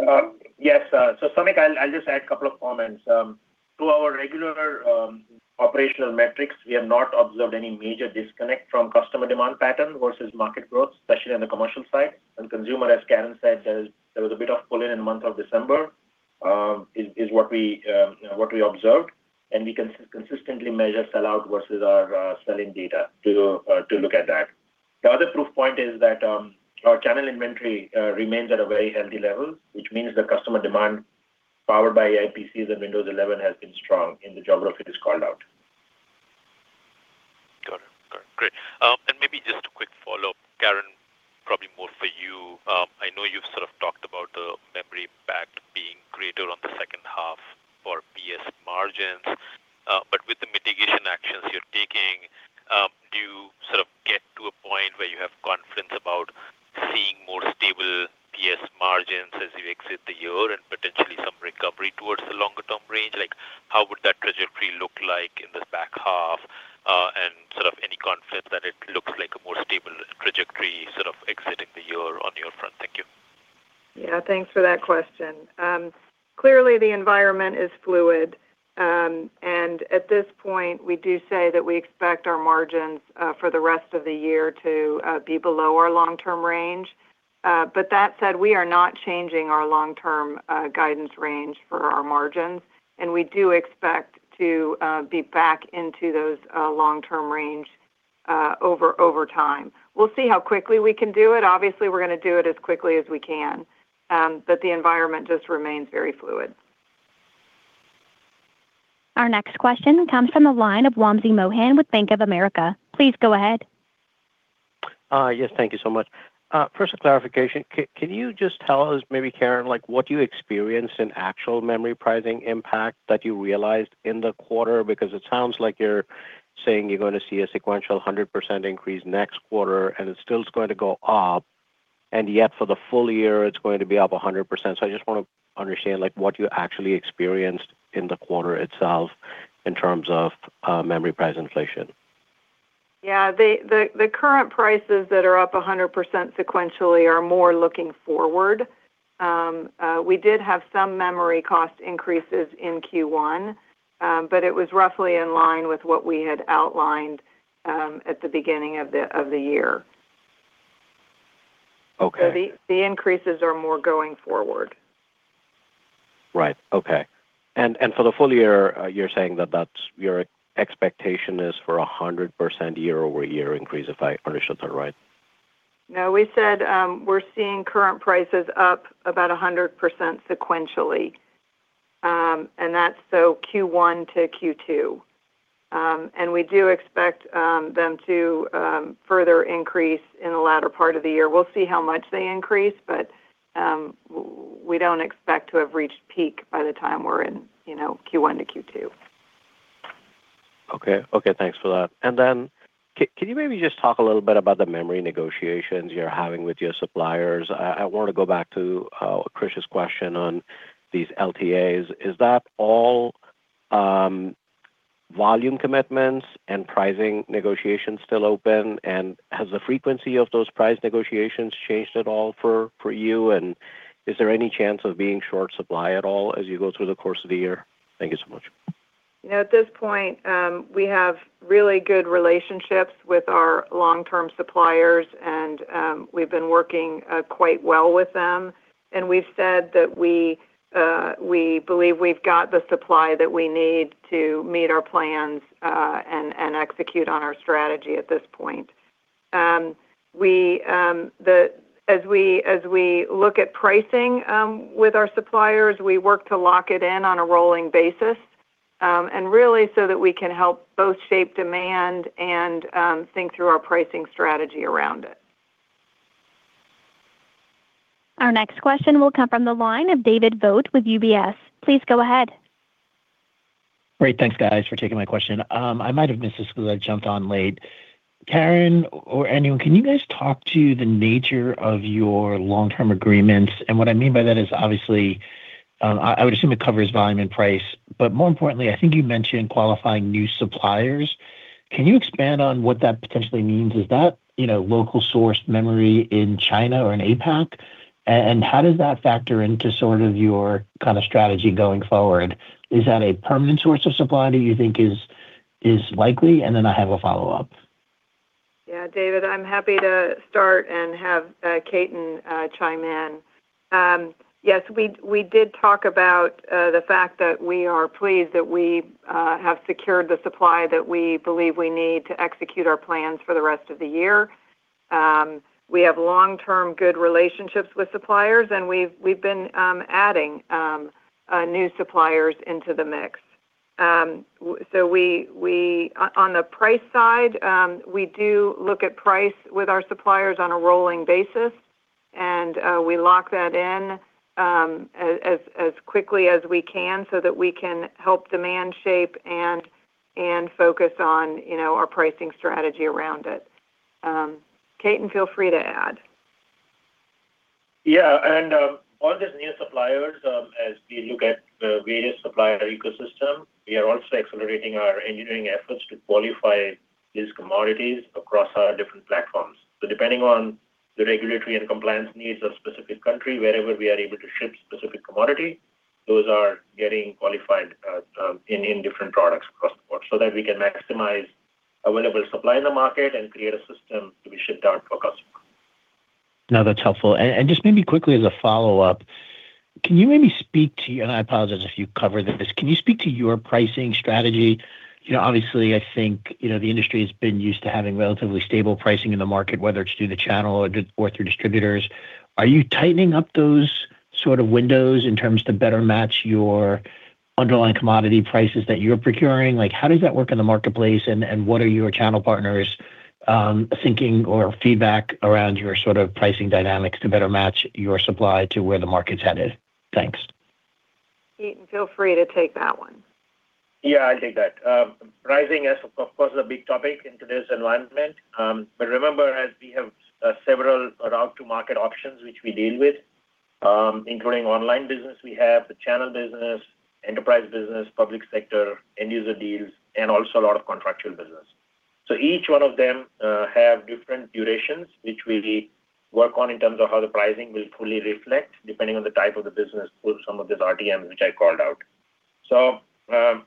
Samik I'll just add a couple of comments. To our regular operational metrics, we have not observed any major disconnect from customer demand pattern versus market growth, especially on the commercial side. Consumer, as Karen said, there was a bit of pull-in in the month of December, is what we observed, and we consistently measure sell-out versus our selling data to look at that. The other proof point is that our channel inventory remains at a very healthy level, which means the customer demand, powered by AI PCs and Windows 11, has been strong in the geographies called out. Got it. Got it. Great. Maybe just a quick follow-up, Karen, probably more for you. I know you've sort of talked about the memory impact being greater on the second half for PS margins, but with the mitigation actions you're taking, do you sort of get to a point where you have confidence about seeing more stable PS margins as you exit the year and potentially some recovery towards the longer term range? Like, how would that trajectory look like in this back half? Sort of any confidence that it looks like a more stable trajectory sort of exiting the year on your front? Thank you. Yeah, thanks for that question. Clearly, the environment is fluid. At this point, we do say that we expect our margins for the rest of the year to be below our long-term range. That said, we are not changing our long-term guidance range for our margins. We do expect to be back into those long-term range over time. We'll see how quickly we can do it. Obviously, we're going to do it as quickly as we can. The environment just remains very fluid. Our next question comes from the line of Wamsi Mohan with Bank of America. Please go ahead. Yes. Thank you so much. First, a clarification. Can you just tell us, maybe Karen, like, what you experienced in actual memory pricing impact that you realized in the quarter? Because it sounds like you're saying you're going to see a sequential 100% increase next quarter, and it's still going to go up. And yet for the full year, it's going to be up 100%. I just want to understand, like, what you actually experienced in the quarter itself in terms of memory price inflation? Yeah, the current prices that are up 100% sequentially are more looking forward. We did have some memory cost increases in Q1, but it was roughly in line with what we had outlined at the beginning of the year. Okay. The increases are more going forward. Right. Okay. For the full year, you're saying that that's your expectation is for a 100% year-over-year increase, if I understand that right? We said we're seeing current prices up about 100% sequentially. That's Q1 to Q2. We do expect them to further increase in the latter part of the year. We'll see how much they increase, but we don't expect to have reached peak by the time we're in, you know, Q1 to Q2. Okay. Thanks for that. Can you maybe just talk a little bit about the memory negotiations you're having with your suppliers? I want to go back to Krish's question on these LTAs. Is that all volume commitments and pricing negotiations still open? Has the frequency of those price negotiations changed at all for you? Is there any chance of being short supply at all as you go through the course of the year? Thank you so much. You know, at this point, we have really good relationships with our long-term suppliers, and we've been working quite well with them. We've said that we believe we've got the supply that we need to meet our plans and execute on our strategy at this point. We, as we look at pricing, with our suppliers, we work to lock it in on a rolling basis, and really so that we can help both shape demand and think through our pricing strategy around it. Our next question will come from the line of David Vogt with UBS. Please go ahead. Great. Thanks, guys, for taking my question. I might have missed this because I jumped on late. Karen or anyone, can you guys talk to the nature of your long-term agreements? What I mean by that is obviously, I would assume it covers volume and price, but more importantly, I think you mentioned qualifying new suppliers. Can you expand on what that potentially means? Is that, you know, local sourced memory in China or in APAC? How does that factor into sort of your kind of strategy going forward? Is that a permanent source of supply, do you think is likely? Then I have a follow-up. David, I'm happy to start and have Ketan chime in. Yes, we did talk about the fact that we are pleased that we have secured the supply that we believe we need to execute our plans for the rest of the year. We have long-term good relationships with suppliers, and we've been adding new suppliers into the mix. So on the price side, we do look at price with our suppliers on a rolling basis, and we lock that in as quickly as we can so that we can help demand shape and focus on, you know, our pricing strategy around it. Ketan, feel free to add. Yeah, all these new suppliers, as we look at the various supplier ecosystem, we are also accelerating our engineering efforts to qualify these commodities across our different platforms. Depending on the regulatory and compliance needs of specific country, wherever we are able to ship specific commodity, those are getting qualified, in different products across the board, so that we can maximize available supply in the market and create a system to be shipped out to our customer. No, that's helpful. Just maybe quickly as a follow-up, can you maybe speak to, and I apologize if you covered this, can you speak to your pricing strategy? You know, obviously, I think, you know, the industry has been used to having relatively stable pricing in the market, whether it's through the channel or through distributors. Are you tightening up those sort of windows in terms to better match your underlying commodity prices that you're procuring? How does that work in the marketplace, and what are your channel partners thinking or feedback around your sort of pricing dynamics to better match your supply to where the market's headed? Thanks. Ketan, feel free to take that one. Yeah, I'll take that. Pricing is, of course, a big topic in today's environment. Remember, as we have several route to market options which we deal with, including online business, we have the channel business, enterprise business, public sector, end user deals, and also a lot of contractual business. Each one of them have different durations, which we work on in terms of how the pricing will fully reflect, depending on the type of the business with some of these RDMs, which I called out. Times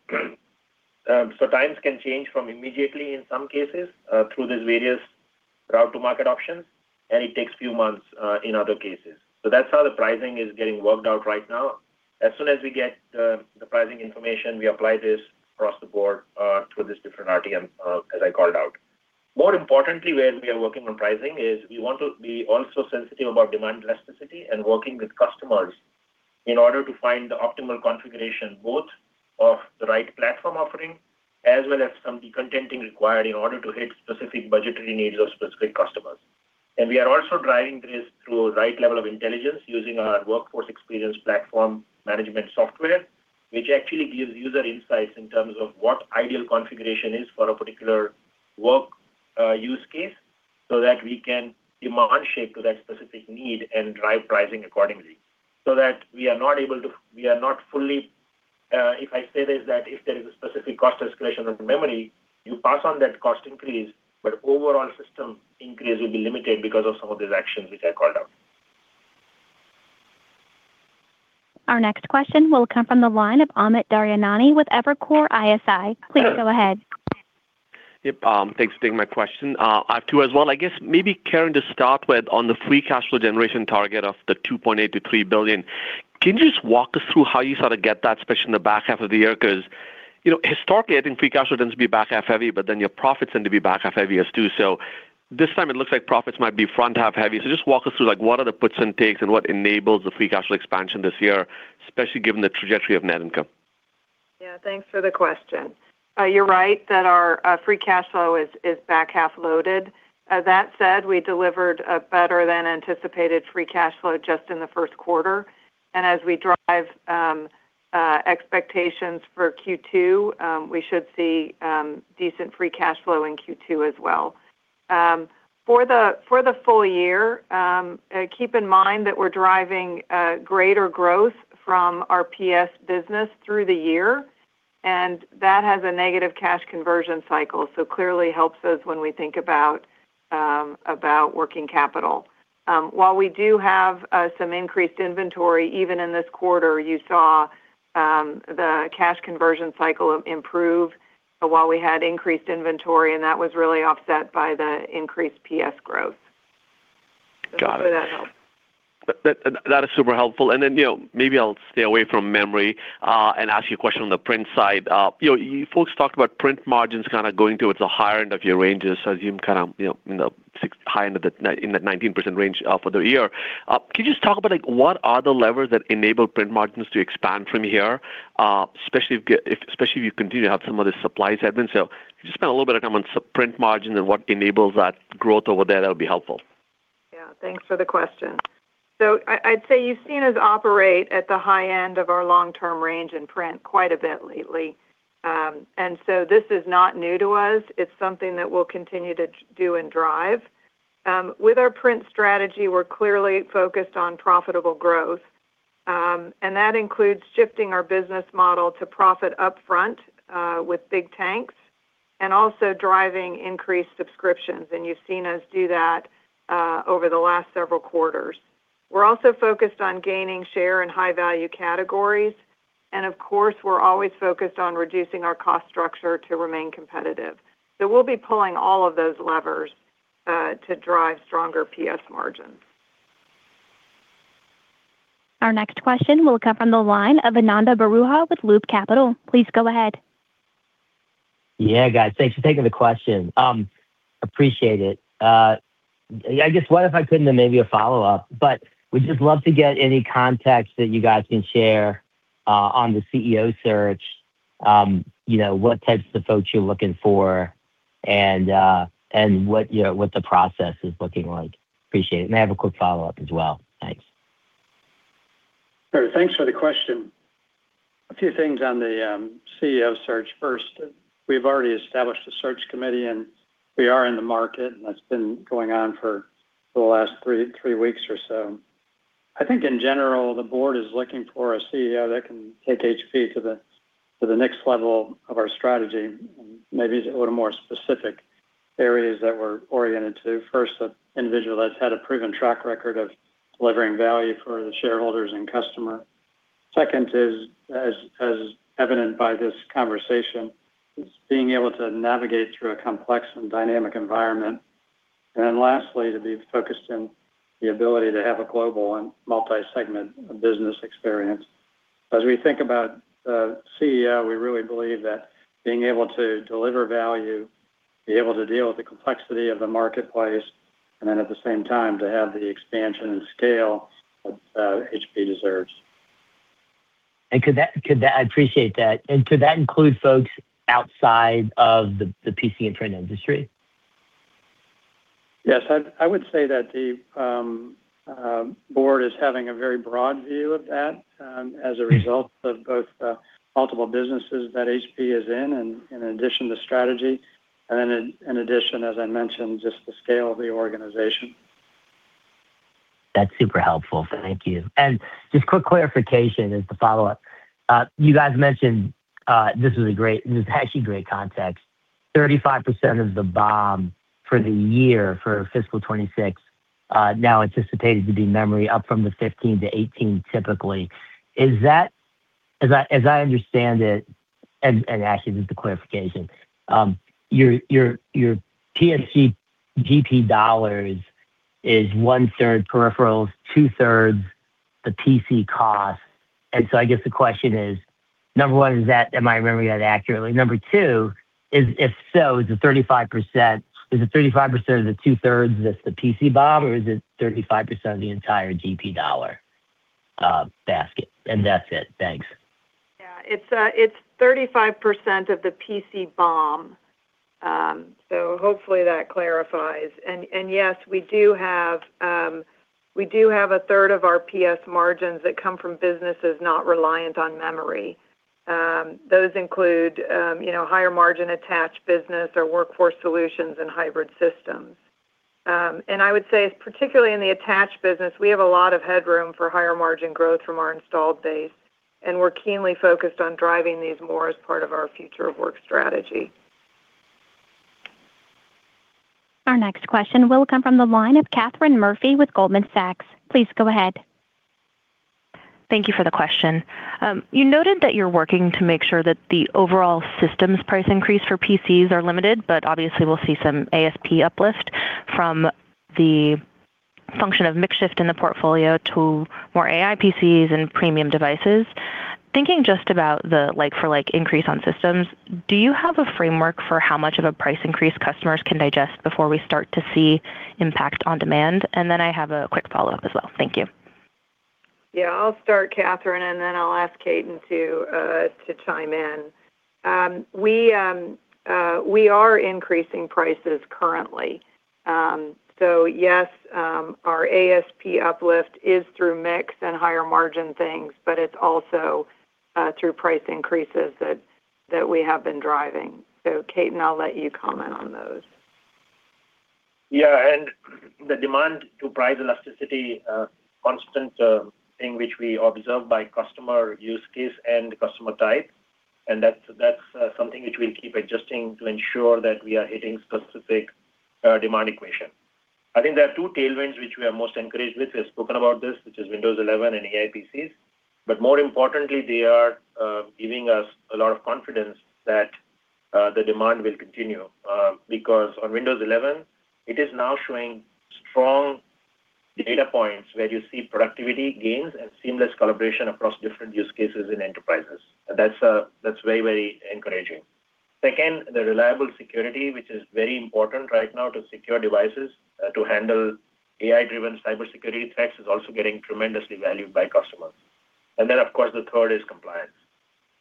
can change from immediately in some cases through these various route to market options, and it takes a few months in other cases. That's how the pricing is getting worked out right now. As soon as we get the pricing information, we apply this across the board, through this different RTM, as I called out. More importantly, when we are working on pricing is we want to be also sensitive about demand elasticity and working with customers in order to find the optimal configuration, both of the right platform offering as well as some decontenting required in order to hit specific budgetary needs of specific customers. We are also driving this through the right level of intelligence using our Workforce Experience Platform management software, which actually gives user insights in terms of what ideal configuration is for a particular work use case, so that we can demand shape to that specific need and drive pricing accordingly. That we are not fully, if I say this, that if there is a specific cost escalation of memory, you pass on that cost increase, but overall system increase will be limited because of some of these actions which I called out. Our next question will come from the line of Amit Daryanani with Evercore ISI. Please go ahead. Yep. thanks for taking my question. I have two as well. I guess maybe Karen, to start with, on the free cash flow generation target of $2.8 billion-$3 billion, can you just walk us through how you sort of get that, especially in the back half of the year? You know, historically, I think free cash flow tends to be back half heavy, but then your profits tend to be back half heavy as too. This time it looks like profits might be front half heavy. Just walk us through, like, what are the puts and takes and what enables the free cash flow expansion this year, especially given the trajectory of net income? Yeah, thanks for the question. You're right that our free cash flow is back half loaded. That said, we delivered a better than anticipated free cash flow just in the first quarter, and as we drive expectations for Q2, we should see decent free cash flow in Q2 as well. For the full year, keep in mind that we're driving greater growth from our PS business through the year, and that has a negative cash conversion cycle, so clearly helps us when we think about working capital. While we do have some increased inventory, even in this quarter, you saw the cash conversion cycle improve while we had increased inventory, and that was really offset by the increased PS growth. Got it. Hope that helps. That is super helpful. You know, maybe I'll stay away from memory and ask you a question on the print side. You know, you folks talked about print margins kind of going towards the higher end of your ranges, so as you kind of, you know, in that 19% range for the year. Can you just talk about, like, what are the levers that enable print margins to expand from here, especially if you continue to have some of the supply headwinds? Just spend a little bit of time on print margin and what enables that growth over there. That would be helpful. Yeah, thanks for the question. I'd say you've seen us operate at the high end of our long-term range in print quite a bit lately. This is not new to us. It's something that we'll continue to do and drive. With our print strategy, we're clearly focused on profitable growth, and that includes shifting our business model to profit upfront with Big Tank and also driving increased subscriptions, and you've seen us do that over the last several quarters. We're also focused on gaining share in high-value categories. Of course, we're always focused on reducing our cost structure to remain competitive. We'll be pulling all of those levers to drive stronger PS margins. Our next question will come from the line of Ananda Baruah with Loop Capital. Please go ahead. Yeah, guys. Thanks for taking the question. Appreciate it. I guess one, if I could, and then maybe a follow-up, but we'd just love to get any context that you guys can share, on the CEO search, you know, what types of folks you're looking for and what, you know, what the process is looking like. Appreciate it. I have a quick follow-up as well. Thanks. Sure. Thanks for the question. A few things on the CEO search. First, we've already established a search committee, and we are in the market, and that's been going on for the last three weeks or so. I think in general, the board is looking for a CEO that can take HP to the next level of our strategy. Maybe a little more specific areas that we're oriented to. First, an individual that's had a proven track record of delivering value for the shareholders and customer. Second is, as evident by this conversation, is being able to navigate through a complex and dynamic environment. Lastly, to be focused on the ability to have a global and multi-segment business experience. As we think about a CEO, we really believe that being able to deliver value, be able to deal with the complexity of the marketplace, and then at the same time, to have the expansion and scale that HP deserves. I appreciate that. Could that include folks outside of the PC and print industry? Yes. I would say that the board is having a very broad view of that as a result of both the multiple businesses that HP is in, and in addition to strategy, and then in addition, as I mentioned, just the scale of the organization. That's super helpful. Thank you. Just quick clarification as the follow-up. You guys mentioned, this is actually great context. 35% of the BOM for the year, for fiscal 2026, now anticipated to be memory up from the 15%-18%, typically. Is that as I understand it, actually, just a clarification, your TSC GP dollars is one third peripherals, two thirds the PC cost. I guess the question is, Number one, is that, am I remembering that accurately? Number two, if so, is the 35% of the 2/3, that's the PC BOM, or is it 35% of the entire GP dollar basket? That's it. Thanks. Yeah, it's 35% of the PC BOM. Hopefully that clarifies. Yes, we do have a third of our PS margins that come from businesses not reliant on memory. Those include, you know, higher margin attached business or workforce solutions and hybrid systems. I would say, particularly in the attached business, we have a lot of headroom for higher margin growth from our installed base, and we're keenly focused on driving these more as part of our future of work strategy. Our next question will come from the line of Katy Huberty with Morgan Stanley. Please go ahead. Thank you for the question. You noted that you're working to make sure that the overall systems price increase for PCs are limited. Obviously, we'll see some ASP uplift from the function of mix shift in the portfolio to more AI PCs and premium devices. Thinking just about the like for like increase on systems, do you have a framework for how much of a price increase customers can digest before we start to see impact on demand? Then I have a quick follow-up as well. Thank you. Yeah. I'll start, Kathryn. Then I'll ask Ketan to chime in. We are increasing prices currently. Yes, our ASP uplift is through mix and higher margin things, but it's also through price increases that we have been driving. Ketan, I'll let you comment on those. Yeah, the demand to price elasticity, constant thing which we observe by customer use case and customer type, and that's something which we keep adjusting to ensure that we are hitting specific demand equation. I think there are two tailwinds which we are most encouraged with. We have spoken about this, which is Windows 11 and AI PCs, but more importantly, they are giving us a lot of confidence that the demand will continue. Because on Windows 11, it is now showing strong data points where you see productivity gains and seamless collaboration across different use cases in enterprises. That's very, very encouraging. Second, the reliable security, which is very important right now to secure devices, to handle AI-driven cybersecurity threats, is also getting tremendously valued by customers. Then, of course, the third is compliance.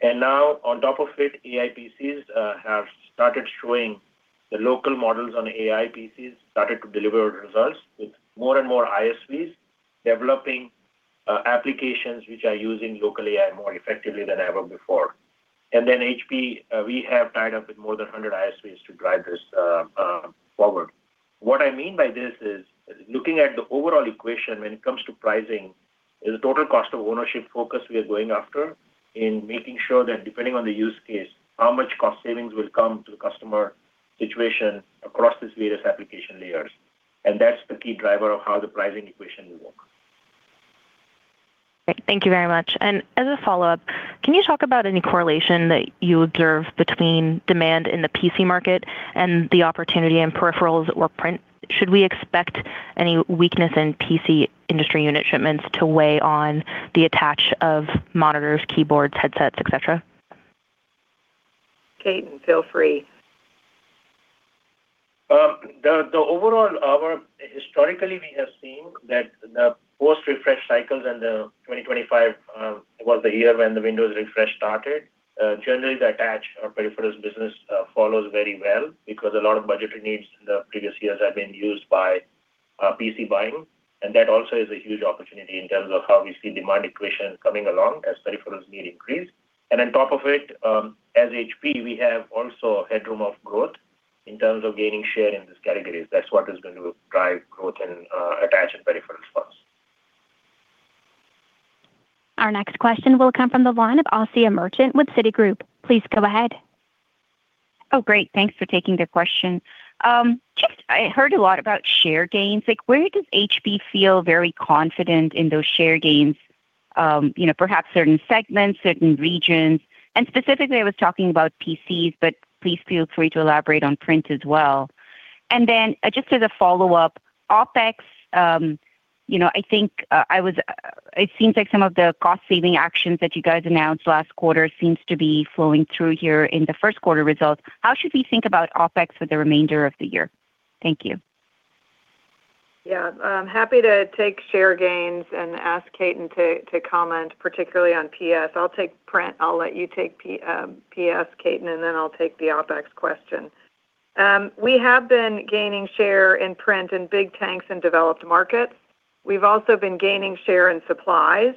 Now on top of it, AI PCs have started showing the local models on AI PCs, started to deliver results with more and more ISVs developing applications which are using local AI more effectively than ever before. HP, we have tied up with more than 100 ISVs to drive this forward. What I mean by this is looking at the overall equation when it comes to pricing is the total cost of ownership focus we are going after in making sure that depending on the use case, how much cost savings will come to the customer situation across these various application layers. That's the key driver of how the pricing equation will work. Thank you very much. As a follow-up, can you talk about any correlation that you observe between demand in the PC market and the opportunity in peripherals or print? Should we expect any weakness in PC industry unit shipments to weigh on the attach of monitors, keyboards, headsets, et cetera? Ketan, feel free. The overall, our historically, we have seen that the post-refresh cycles and 2025 was the year when the Windows refresh started. Generally, the attach or peripherals business follows very well because a lot of budgetary needs in the previous years have been used by PC buying, and that also is a huge opportunity in terms of how we see demand equation coming along as peripherals need increase. On top of it, as HP, we have also a headroom of growth in terms of gaining share in these categories. That's what is going to drive growth and attach in peripherals for us. Our next question will come from the line of Asiya Merchant with Citigroup. Please go ahead. Oh, great. Thanks for taking the question. Just I heard a lot about share gains. Like, where does HP feel very confident in those share gains? You know, perhaps certain segments, certain regions, and specifically, I was talking about PCs, but please feel free to elaborate on print as well. Just as a follow-up, OpEx, you know, I think, it seems like some of the cost-saving actions that you guys announced last quarter seems to be flowing through here in the first quarter results. How should we think about OpEx for the remainder of the year? Thank you. I'm happy to take share gains and ask Ketan to comment, particularly on PS. I'll take print. I'll let you take PS, Ketan, and then I'll take the OpEx question. We have been gaining share in print in Big Tanks and developed markets. We've also been gaining share in supplies,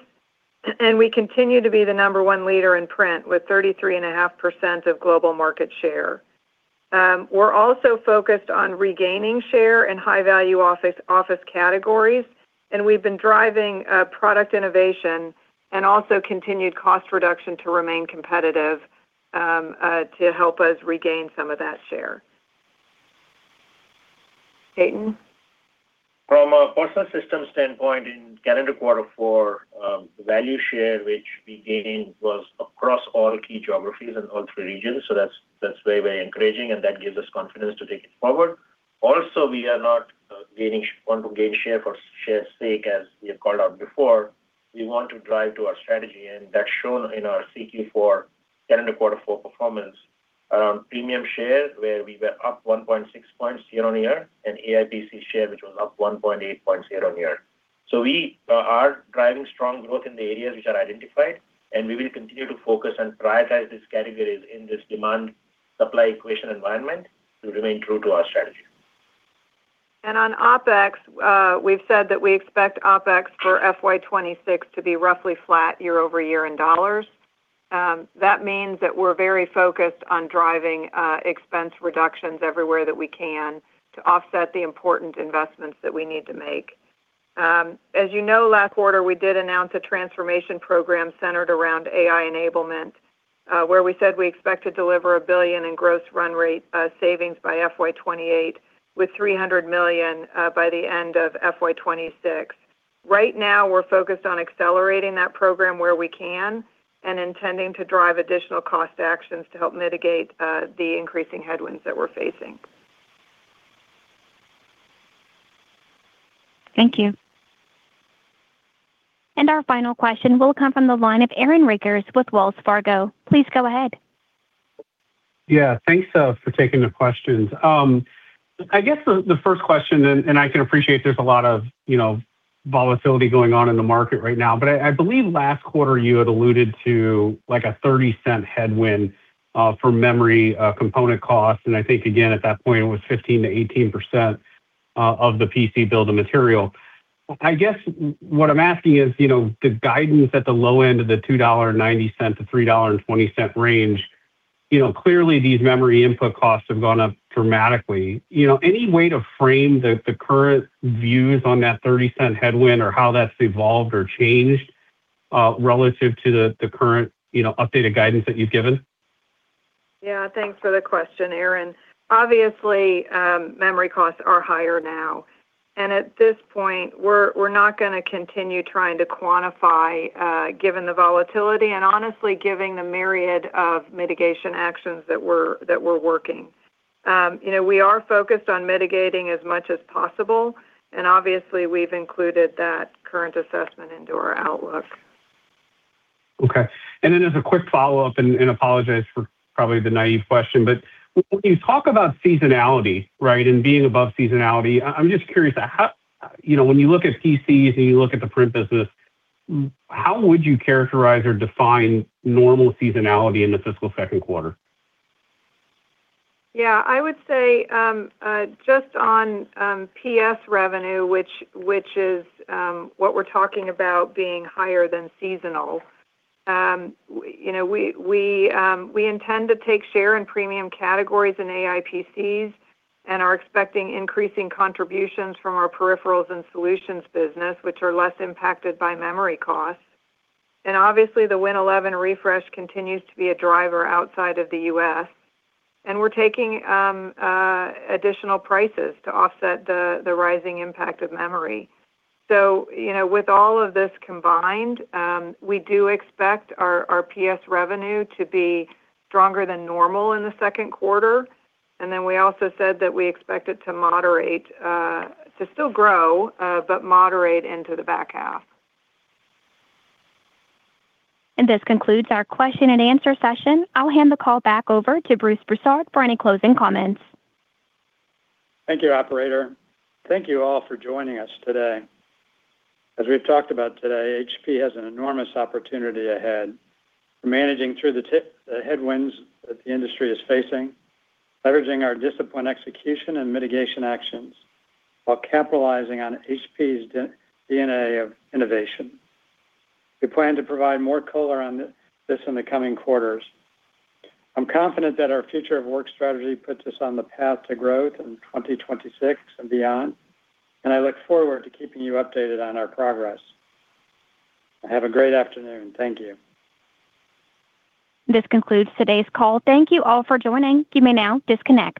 and we continue to be the number one leader in print with 33.5% of global market share. We're also focused on regaining share in high-value office categories, and we've been driving product innovation and also continued cost reduction to remain competitive to help us regain some of that share. Ketan? From a personal system standpoint, in calendar quarter four, value share, which we gained, was across all key geographies and all three regions. That's very, very encouraging, and that gives us confidence to take it forward. Also, we are not want to gain share for share's sake, as we have called out before. We want to drive to our strategy, and that's shown in our CQ4, calendar quarter four performance, premium share, where we were up 1.6 points year-on-year, and AI PC share, which was up 1.8 points year-on-year. We are driving strong growth in the areas which are identified, and we will continue to focus and prioritize these categories in this demand supply equation environment to remain true to our strategy. On OpEx, we've said that we expect OpEx for FY 2026 to be roughly flat year-over-year in dollars. That means that we're very focused on driving expense reductions everywhere that we can to offset the important investments that we need to make. As you know, last quarter, we did announce a transformation program centered around AI enablement, where we said we expect to deliver $1 billion in gross run rate savings by FY 2028, with $300 million by the end of FY 2026. Right now, we're focused on accelerating that program where we can and intending to drive additional cost actions to help mitigate the increasing headwinds that we're facing. Thank you. Our final question will come from the line of Aaron Rakers with Wells Fargo. Please go ahead. Thanks for taking the questions. I guess the first question and I can appreciate there's a lot of, you know, volatility going on in the market right now, but I believe last quarter you had alluded to like a $0.30 headwind for memory component costs, and I think again, at that point it was 15%-18% of the PC bill of material. I guess what I'm asking is, you know, the guidance at the low end of the $2.90-$3.20 range, you know, clearly these memory input costs have gone up dramatically. You know, any way to frame the current views on that $0.30 headwind or how that's evolved or changed relative to the current, you know, updated guidance that you've given? Yeah, thanks for the question, Aaron. Obviously, memory costs are higher now. At this point, we're not gonna continue trying to quantify, given the volatility and honestly, giving the myriad of mitigation actions that we're working. You know, we are focused on mitigating as much as possible. Obviously, we've included that current assessment into our outlook. Okay. As a quick follow-up, and apologize for probably the naive question, but when you talk about seasonality, right, and being above seasonality, I'm just curious, how... You know, when you look at PCs and you look at the print business, how would you characterize or define normal seasonality in the fiscal second quarter? Yeah, I would say, just on PS revenue, which is what we're talking about being higher than seasonal, you know, we intend to take share in premium categories and AI PCs and are expecting increasing contributions from our peripherals and solutions business, which are less impacted by memory costs. Obviously, the Win 11 refresh continues to be a driver outside of the US, we're taking additional prices to offset the rising impact of memory. You know, with all of this combined, we do expect our PS revenue to be stronger than normal in the second quarter, we also said that we expect it to moderate, to still grow, but moderate into the back half. This concludes our question and answer session. I'll hand the call back over to Bruce Broussard for any closing comments. Thank you, operator. Thank you all for joining us today. As we've talked about today, HP has an enormous opportunity ahead. Managing through the headwinds that the industry is facing, leveraging our disciplined execution and mitigation actions, while capitalizing on HP's DNA of innovation. We plan to provide more color on this in the coming quarters. I'm confident that our future of work strategy puts us on the path to growth in 2026 and beyond. I look forward to keeping you updated on our progress. Have a great afternoon. Thank you. This concludes today's call. Thank you all for joining. You may now disconnect.